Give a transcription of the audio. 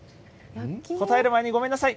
答える前にごめんなさい。